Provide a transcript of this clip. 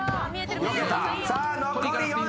さあ残り４５秒。